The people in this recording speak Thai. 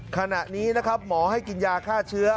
ขณะนี้นะครับหมอให้กินยาฆ่าเชื้อ